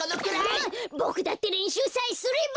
ボクだってれんしゅうさえすれば。